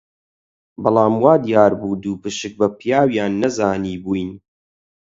بەڵام وا دیار بوو دووپشک بە پیاویان نەزانیبووین